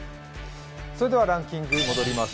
それではランキング戻ります。